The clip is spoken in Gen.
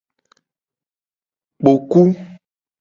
Kpoku.